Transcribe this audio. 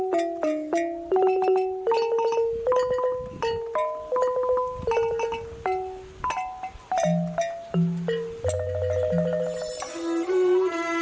กลับมาที่สุดท้าย